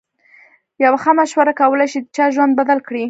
یوه ښه مشوره کولای شي د چا ژوند بدل کړي.